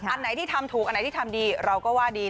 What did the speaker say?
อันไหนที่ทำถูกอันไหนที่ทำดีเราก็ว่าดี